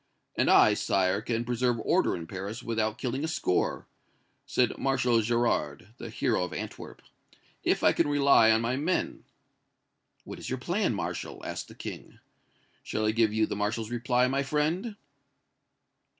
'And I, sire, can preserve order in Paris without killing a score,' said Marshal Gérard, the hero of Antwerp, 'if I can rely on my men.' 'What is your plan, Marshal?' asked the King. Shall I give you the Marshal's reply, my friend?"